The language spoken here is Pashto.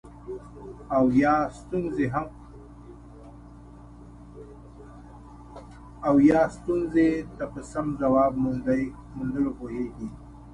او یا ستونزې ته په سم ځواب موندلو پوهیږي.